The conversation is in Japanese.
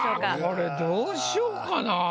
これどうしようかな。